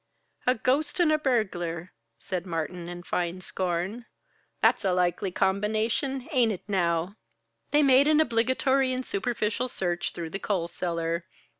"A ghost and a burglar!" said Martin, in fine scorn. "That's a likely combination, ain't it now?" They made an obligatory and superficial search through the coal cellar.